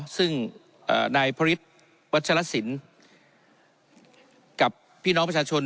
ซึ่งนายพระฤทธิ์วัชลสินกับพี่น้องประชาชน